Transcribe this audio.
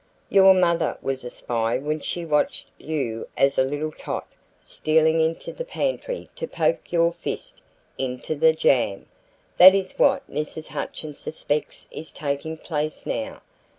Your mother was a spy when she watched you as a little tot stealing into the pantry to poke your fist into the jam. That is what Mrs. Hutchins suspects is taking place now.